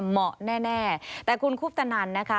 เหมาะแน่แต่คุณคุพธนัน